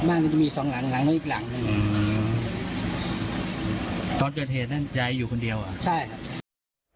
อืมตอนเจอเทศนั้นยายอยู่คนเดียวอ่ะใช่ครับ